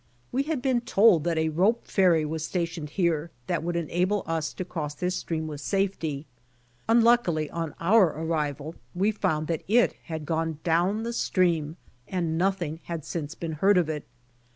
We had been told that a rope ferry was stationed here that would enable us to cross this stream with safety. Unluckily on our arrival we found that it had gone down the stream] and nothing had since been heard of it.